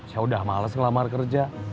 ya udah males ngelamar kerja